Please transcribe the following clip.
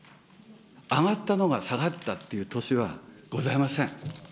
上がったのが下がったという年はございません。